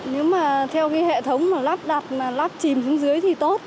nếu mà theo cái hệ thống mà lắp đặt mà lắp chìm xuống dưới thì tốt